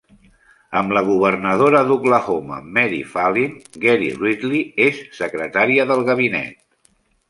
Amb la governadora d'Oklahoma Mary Fallin, Gary Ridley és secretària del gabinet.